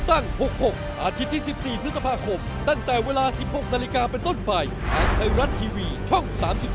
อันเท่ารันทีวีช่อง๓๒